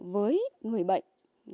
với người bệnh